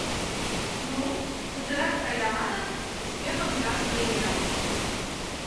Ну, кузерак кая манын, кычкен ончаш лийна.